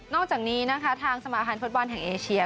อกจากนี้นะคะทางสมาภัณฑ์ฟุตบอลแห่งเอเชีย